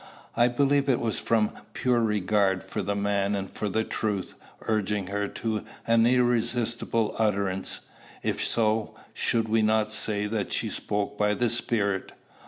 I believe it was from pure regard for the man and for the truth, urging her to an irrepressible utterance. If so, should we not say that she spoke by the Spirit?